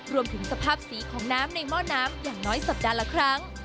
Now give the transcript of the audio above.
รวมถึงสภาพสีของน้ำในหม้อน้ำอย่างน้อยสัปดาห์ละครั้ง